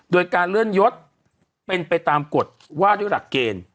โดยการเลื่อนยศเป็นไปตามกฎว่าด้วยหลักเกณฑ์